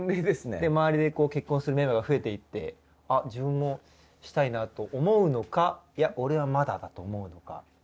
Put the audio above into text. で周りで結婚するメンバーが増えて行って「自分もしたいな」と思うのか「いや俺はまだだ」と思うのか。